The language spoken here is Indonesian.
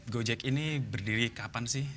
gojek ini berdiri kapan sih